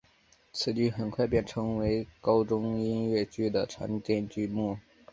此剧很快便成为高中音乐剧的常见剧目。